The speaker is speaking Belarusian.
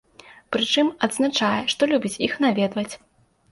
Прычым, адзначае, што любіць іх наведваць.